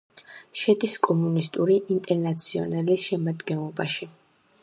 შედის კომუნისტური ინტერნაციონალის შემადგენლობაში.